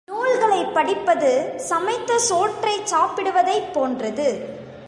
நூல்களைப் படிப்பது சமைத்த சோற்றைச் சாப்பிடுவதைப் போன்றது.